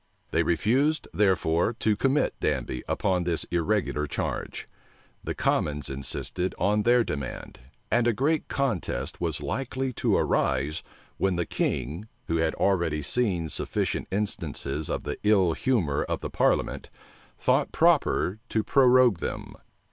They refused, therefore, to commit Danby upon this irregular charge: the commons insisted on their demand; and a great contest was likely to arise, when the king, who had already seen sufficient instances of the ill humor of the parliament, thought proper to prorogue them.